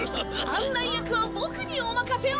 案内役はボクにお任せを！